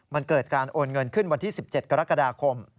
มันเกิดการโอนเงินขึ้นวันที่๑๗กรกฎาคม